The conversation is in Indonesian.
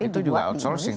itu juga outsourcing